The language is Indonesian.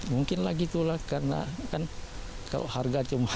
mungkin lagi itulah karena kan kalau harga cuma